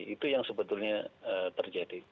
itu yang sebetulnya terjadi